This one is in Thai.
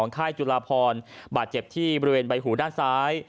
ค่ายจุลาพรบาดเจ็บที่บริเวณใบหูด้านซ้าย